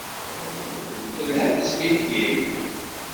Telha tezmilt-im?